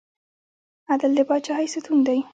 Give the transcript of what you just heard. عدل د پاچاهۍ ستون دی